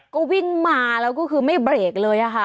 ก็วิ่งมาแล้วก็คือไม่เบรกเลยค่ะ